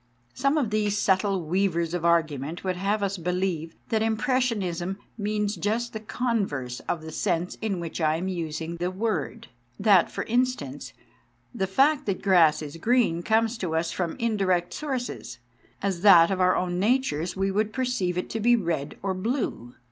Some of these subtle weavers of argument would have us believe that impressionism means just the converse of the sense in which I am using the word ; that, for instance, the fact that grass is green comes to us from indirect sources, as that of our own natures we would perceive it to be red or blue.